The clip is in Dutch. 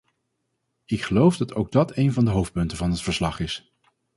Ik geloof dat ook dat een van de hoofdpunten van het verslag is.